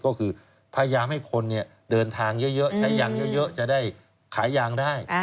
ก็คือพยายามให้คนเดินทางเยอะใช้ยางเยอะจะได้ขายยางได้